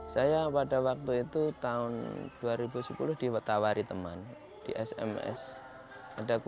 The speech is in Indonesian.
saya pada waktu itu tahun dua ribu sembilan belas saya meneraih gelar sarjana